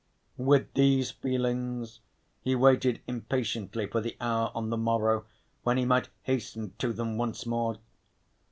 With these feelings he waited impatiently for the hour on the morrow when he might hasten to them once more.